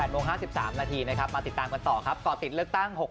โมง๕๓นาทีนะครับมาติดตามกันต่อครับก่อติดเลือกตั้ง